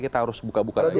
kita harus buka buka lagi